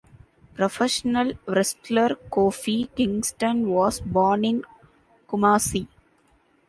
Professional wrestler Kofi Kingston was born in Kumasi.